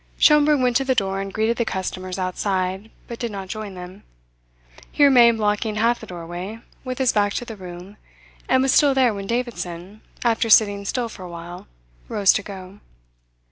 Schomberg went to the door and greeted the customers outside, but did not join them. He remained blocking half the doorway, with his back to the room, and was still there when Davidson, after sitting still for a while, rose to go.